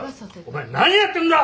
お前何やってんだ！